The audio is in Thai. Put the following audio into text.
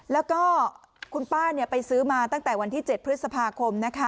แล้วก็คุณป้าไปซื้อมาตั้งแต่วันที่๗พฤษภาคมนะคะ